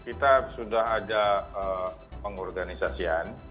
kita sudah ada pengorganisasian